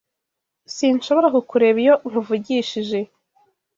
Sinshobora kukureba iyo nkuvugishije.